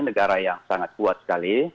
negara yang sangat kuat sekali